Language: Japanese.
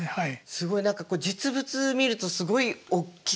すごい何か実物見るとすごいおっきくって。